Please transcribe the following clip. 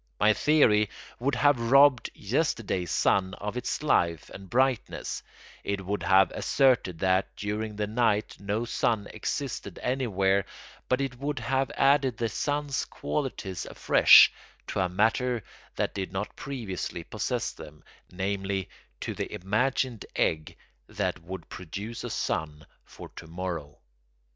My theory would have robbed yesterday's sun of its life and brightness; it would have asserted that during the night no sun existed anywhere; but it would have added the sun's qualities afresh to a matter that did not previously possess them, namely, to the imagined egg that would produce a sun for to morrow.